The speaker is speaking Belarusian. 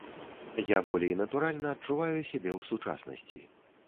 Я болей натуральна адчуваю сябе ў сучаснасці.